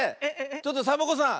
ちょっとサボ子さん